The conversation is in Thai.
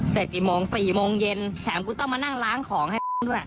เสร็จกี่โมง๔โมงเย็นแถมกูต้องมานั่งล้างของให้